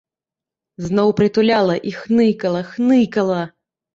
Зноў прытуляла і хныкала, хныкала.